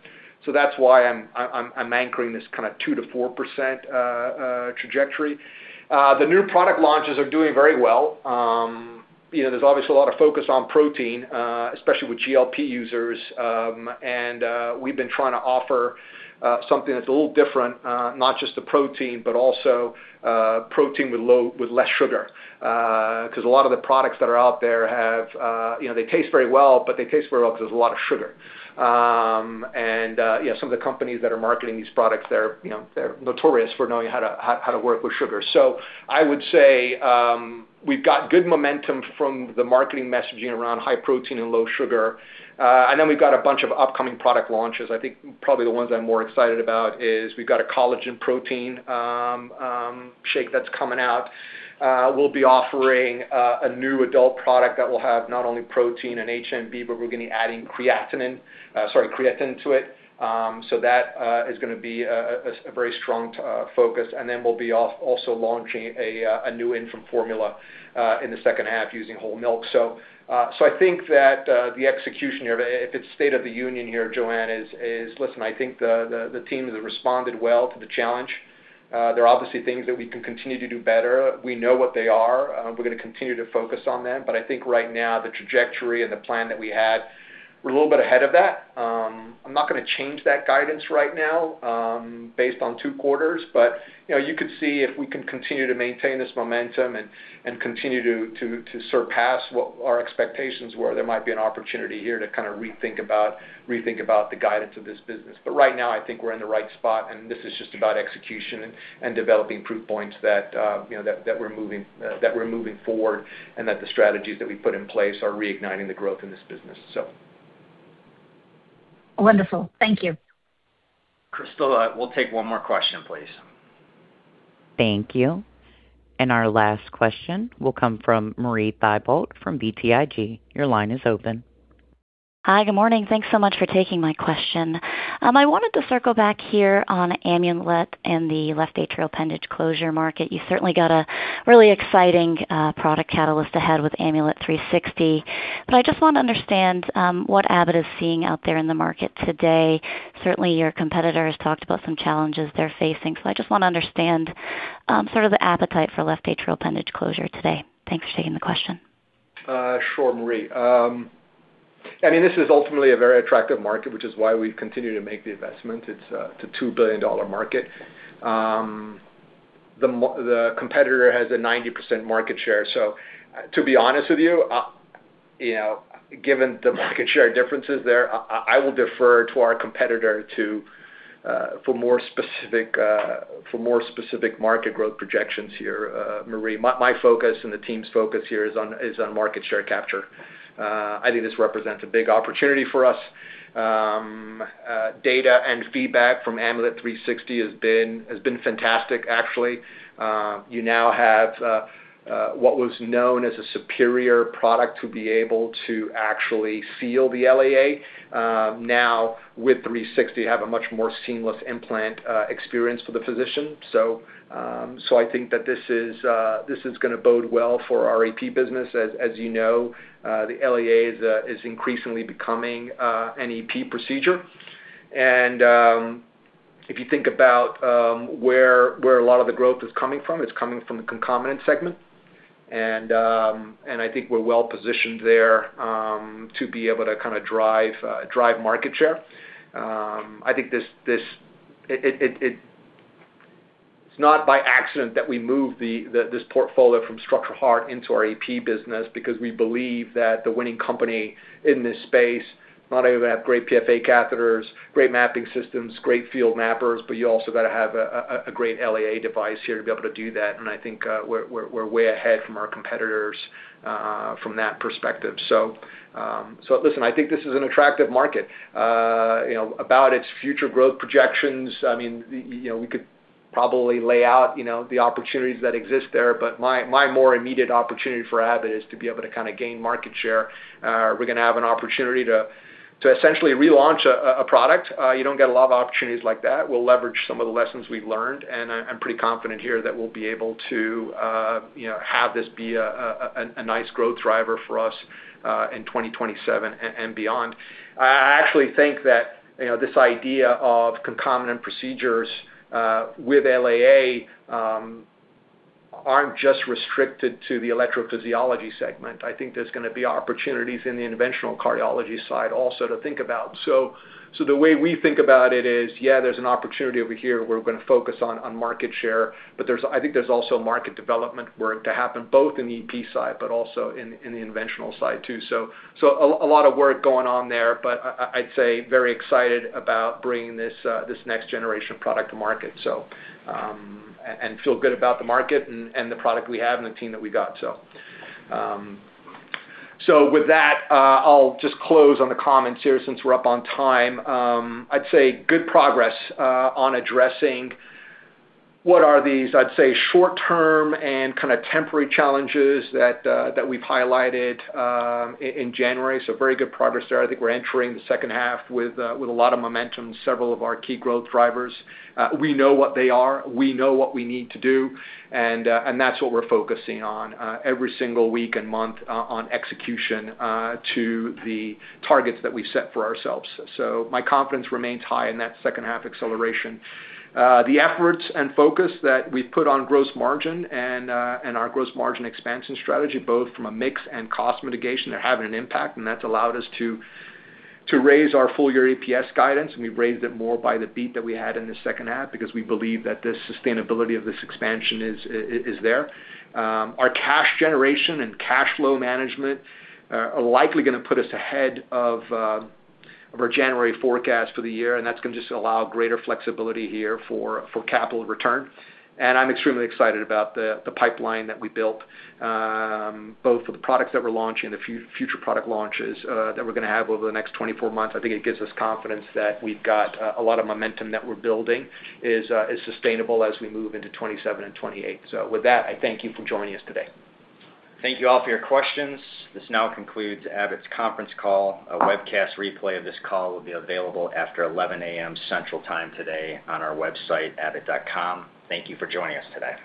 That's why I'm anchoring this kind of 2%-4% trajectory. The new product launches are doing very well. There's obviously a lot of focus on protein, especially with GLP users. We've been trying to offer something that's a little different, not just the protein, but also protein with less sugar. A lot of the products that are out there taste very well, but they taste very well because there's a lot of sugar. Some of the companies that are marketing these products they're notorious for knowing how to work with sugar. I would say we've got good momentum from the marketing messaging around high protein and low sugar. Then we've got a bunch of upcoming product launches. I think probably the ones I'm more excited about is we've got a collagen protein shake that's coming out. We'll be offering a new adult product that will have not only protein and HMB, but we're going to be adding creatine to it. That is going to be a very strong focus. Then we'll be also launching a new infant formula in the second half using whole milk. I think that the execution here, if it's state of the union here, Joanne, is, listen, I think the team has responded well to the challenge. There are obviously things that we can continue to do better. We know what they are. We're going to continue to focus on them. I think right now, the trajectory and the plan that we had, we're a little bit ahead of that. I'm not going to change that guidance right now based on two quarters. You could see if we can continue to maintain this momentum and continue to surpass what our expectations were, there might be an opportunity here to kind of rethink about the guidance of this business. Right now, I think we're in the right spot, and this is just about execution and developing proof points that we're moving forward and that the strategies that we put in place are reigniting the growth in this business. Wonderful. Thank you. Crystal, we'll take one more question, please. Thank you. Our last question will come from Marie Thibault from BTIG. Your line is open. Hi, good morning. Thanks so much for taking my question. I wanted to circle back here on Amulet and the left atrial appendage closure market. You certainly got a really exciting product catalyst ahead with Amulet 360. I just want to understand what Abbott is seeing out there in the market today. Certainly, your competitor has talked about some challenges they're facing. I just want to understand sort of the appetite for left atrial appendage closure today. Thanks for taking the question. Sure, Marie. I mean, this is ultimately a very attractive market, which is why we've continued to make the investment. It's a $2 billion market. The competitor has a 90% market share. To be honest with you, given the market share differences there, I will defer to our competitor for more specific market growth projections here, Marie. My focus and the team's focus here is on market share capture. I think this represents a big opportunity for us. Data and feedback from Amulet 360 has been fantastic, actually. You now have what was known as a superior product to be able to actually seal the LAA. Now with 360, have a much more seamless implant experience for the physician. I think that this is going to bode well for our EP business. As you know, the LAA is increasingly becoming an EP procedure. If you think about where a lot of the growth is coming from, it's coming from the concomitant segment. I think we're well positioned there to be able to kind of drive market share. It's not by accident that we moved this portfolio from structural heart into our EP business because we believe that the winning company in this space not only have great PFA catheters, great mapping systems, great field mappers, but you also got to have a great LAA device here to be able to do that. I think we're way ahead from our competitors from that perspective. Listen, I think this is an attractive market. About its future growth projections, I mean, we could probably lay out the opportunities that exist there. My more immediate opportunity for Abbott is to be able to kind of gain market share. We're going to have an opportunity to essentially relaunch a product. You don't get a lot of opportunities like that. We'll leverage some of the lessons we've learned, and I'm pretty confident here that we'll be able to have this be a nice growth driver for us in 2027 and beyond. I actually think that this idea of concomitant procedures with LAA aren't just restricted to the electrophysiology segment. I think there's going to be opportunities in the interventional cardiology side also to think about. The way we think about it is, yeah, there's an opportunity over here we're going to focus on market share. I think there's also market development work to happen both in the EP side, but also in the interventional side too. A lot of work going on there, but I'd say very excited about bringing this next generation product to market. Feel good about the market and the product we have and the team that we got. With that, I'll just close on the comments here since we're up on time. I'd say good progress on addressing what are these short-term and kind of temporary challenges that we've highlighted in January. Very good progress there. I think we're entering the second half with a lot of momentum, several of our key growth drivers. We know what they are, we know what we need to do. That's what we're focusing on every single week and month on execution to the targets that we've set for ourselves. My confidence remains high in that second half acceleration. The efforts and focus that we've put on gross margin and our gross margin expansion strategy, both from a mix and cost mitigation, they're having an impact, and that's allowed us to raise our full-year EPS guidance. We've raised it more by the beat that we had in the second half because we believe that the sustainability of this expansion is there. Our cash generation and cash flow management are likely going to put us ahead of our January forecast for the year, and that's going to just allow greater flexibility here for capital return. I'm extremely excited about the pipeline that we built, both for the products that we're launching, the future product launches that we're going to have over the next 24 months. I think it gives us confidence that we've got a lot of momentum that we're building is sustainable as we move into 2027 and 2028. With that, I thank you for joining us today. Thank you all for your questions. This now concludes Abbott's conference call. A webcast replay of this call will be available after 11:00 A.M. Central Time today on our website, abbott.com. Thank you for joining us today.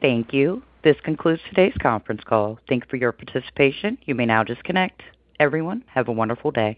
Thank you. This concludes today's conference call. Thanks for your participation. You may now disconnect. Everyone, have a wonderful day.